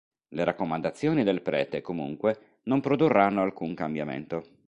Le raccomandazioni del prete, comunque, non produrranno alcun cambiamento.